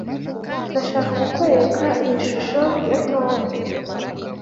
ndashaka kukwereka iyi shusho ya tom